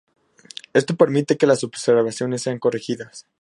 Esto permite que las observaciones sean corregidas.